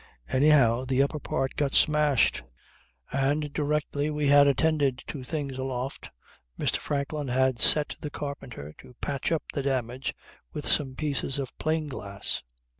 Anyhow, the upper part got smashed, and directly we had attended to things aloft Mr. Franklin had set the carpenter to patch up the damage with some pieces of plain glass.